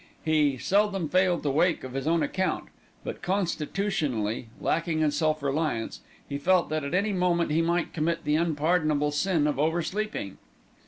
He seldom failed to wake of his own accord; but, constitutionally lacking in self reliance, he felt that at any moment he might commit the unpardonable sin of over sleeping.